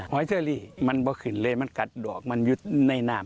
อยเชอรี่มันบ่ขึ้นเลยมันกัดดอกมันอยู่ในน้ำ